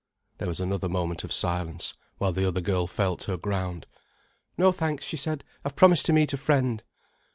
There was another moment of silence, while the other girl felt her ground. "No, thanks," she said. "I've promised to meet a friend."